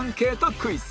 クイズ